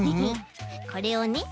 これをね